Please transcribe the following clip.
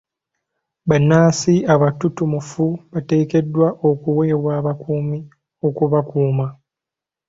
Bannansi abatutumufu bateekeddwa okuweebwa abakuumi okubakuuma.